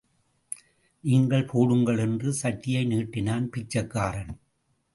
நீங்கள் போடுங்கள் என்று சட்டியை நீட்டினான் பிச்சைக்காரன்.